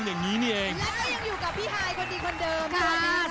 เฮยกตำบล